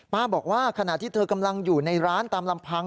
บอกว่าขณะที่เธอกำลังอยู่ในร้านตามลำพัง